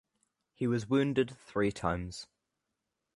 He was wounded three times.